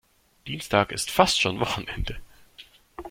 Dienstag ist fast schon Wochenende.